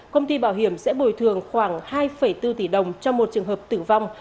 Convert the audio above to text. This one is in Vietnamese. công ty bảo hiểm sẽ bồi thường khoảng hai bốn tỷ đồng cho một trường hợp tử vong